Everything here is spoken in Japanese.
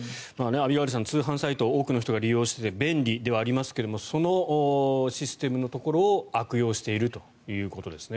アビガイルさん通販サイトは多くの人が利用していて便利ではありますがそのシステムのところを悪用しているということですね。